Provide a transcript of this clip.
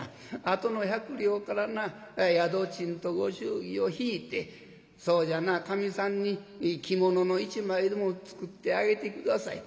あとの百両からな宿賃とご祝儀を引いてそうじゃなかみさんにいい着物の一枚でも作ってあげて下さい。